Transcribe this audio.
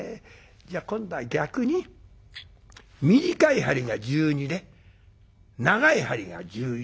じゃあ今度は逆に短い針が１２で長い針が１１。